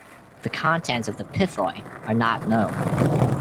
The contents of the pithoi are not known.